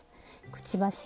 くちばし